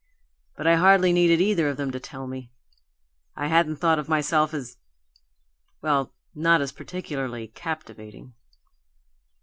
But I hardly needed either of them to tell me. I hadn't thought of myself as well, not as particularly captivating!"